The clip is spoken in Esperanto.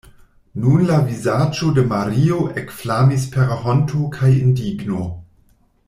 Nun la vizaĝo de Mario ekflamis per honto kaj indigno.